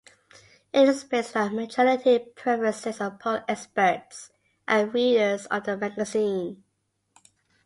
It is based on majority preferences of poled experts and readers of the magazine.